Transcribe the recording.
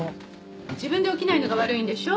自分で起きないのが悪いんでしょ？